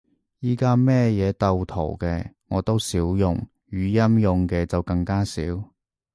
而家乜嘢鬥圖嘅，我都少用，語音用嘅就更加少